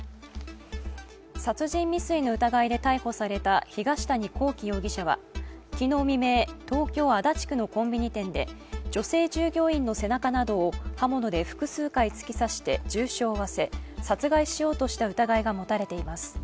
殺人未遂の疑いで逮捕された東谷昂紀容疑者は昨日未明、東京・足立区のコンビニ店で、女性従業員の背中などを刃物で複数回突き刺して重傷を負わせ殺害しようとした疑いが持たれています。